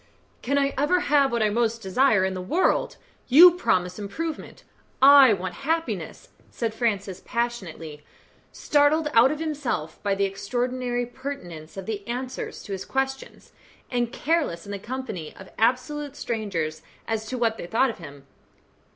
"Can I ever have what I most desire in the world? You promise improvement I want happiness," said Francis, passionately, startled out of himself by the extraordinary pertinence of the answers to his questions, and careless in the company of absolute strangers as to what they thought of him.